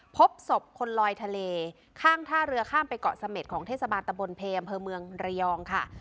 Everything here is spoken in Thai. พบศพคนลอยทะเลข้างท่าเรือข้ามไปเกาะเสม็ดของเทศบาลตะบนเพอำเภอเมืองระยองค่ะ